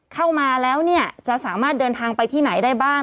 เข้ามาแล้วเนี่ยจะสามารถเดินทางไปที่ไหนได้บ้าง